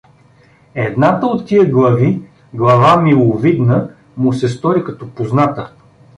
Едната от тия глави, глава миловидна, му се стори като позната.